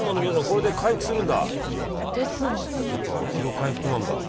これで回復するんだ。ですね。